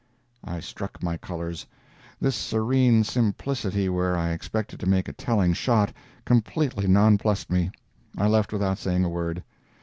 I struck my colors. This serene simplicity where I expected to make a telling shot, completely nonplussed me. I left without saying a word.